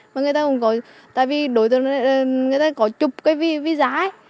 mà người ta cũng có tại vì đối tượng người ta có chụp cái visa ấy